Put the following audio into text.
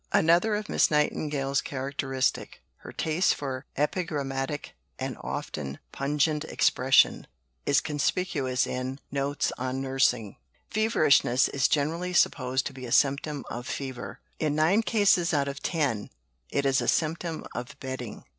Another of Miss Nightingale's characteristics her taste for epigrammatic and often pungent expression is conspicuous in Notes on Nursing. "Feverishness is generally supposed to be a symptom of fever; in nine cases out of ten, it is a symptom of bedding."